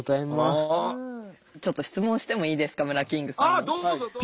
ちょっと質問してもいいですかムラキングさんに。